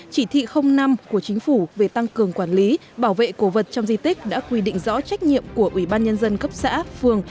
chỉ thị năm của chính phủ về tăng cường quản lý bảo vệ cổ vật trong di tích đã quy định rõ trách nhiệm của ubnd cấp xã phường